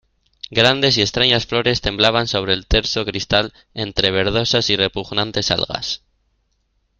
grandes y extrañas flores temblaban sobre el terso cristal entre verdosas y repugnantes algas.